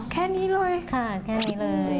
แค่นี้เลยค่ะแค่นี้เลย